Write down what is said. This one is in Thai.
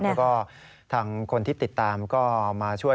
แล้วก็ทางคนที่ติดตามก็มาช่วย